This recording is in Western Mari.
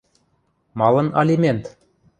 — Малын алимент?